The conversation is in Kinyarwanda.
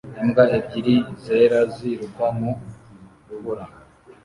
Imbwa ebyiri zera ziruka mu rubura